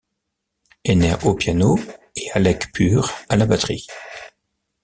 Nner au piano et Alec Püre à la batterie.